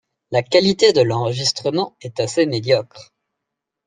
La qualité de l'enregistrement est assez médiocre.